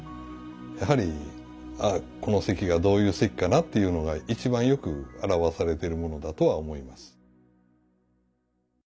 やはりこの席がどういう席かなっていうのが一番よく表されてるものだとは思います。